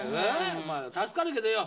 助かるけどよ。